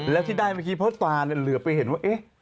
แล้วที่ได้เมื่อกี้เพราะตาเหลือไปเห็นว่าเอ๊ะ